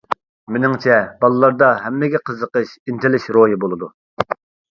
مېنىڭچە، بالىلاردا ھەممىگە قىزىقىش، ئىنتىلىش روھى بولىدۇ.